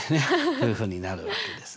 こういうふうになるわけですね。